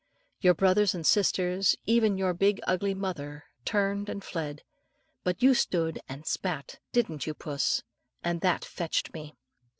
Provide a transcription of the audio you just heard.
Your brothers and sisters, and even your big ugly mother turned and fled, but you stood and spat didn't you, puss? and that fetched me.